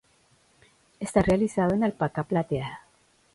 Está realizado en alpaca plateada.